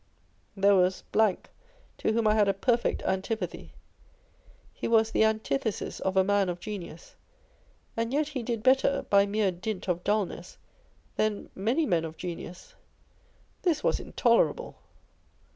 There was ,* to whom I had a perfect antipathy. He was the antithesis of a man of genius ; and yet he did better, by mere dint of dulness, than many men of genius. This was intoler able.